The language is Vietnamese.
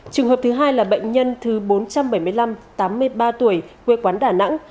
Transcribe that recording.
trường hợp thứ hai là bệnh nhân thứ bốn trăm bảy mươi năm tám mươi ba tuổi quê quán đà nẵng